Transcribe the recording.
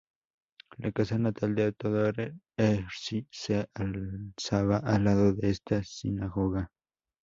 La casa natal de Theodor Herzl se alzaba al lado de esta sinagoga.